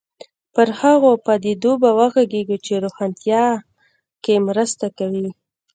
پر هغو پدیدو به وغږېږو چې روښانتیا کې مرسته کوي.